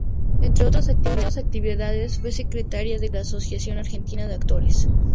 Entre otras actividades, fue secretaria de Cultura de la Asociación Argentina de Actores.